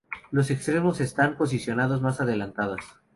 Los extremos están en posiciones más adelantadas.